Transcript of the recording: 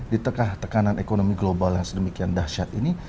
di tengah tekanan ekonomi global yang sedemikian dahsyat ini